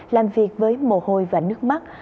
làm việc với mồ hôi và nước mắt